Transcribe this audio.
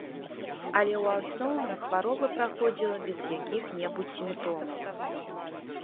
Але ў асноўным хвароба праходзіла без якіх-небудзь сімптомаў.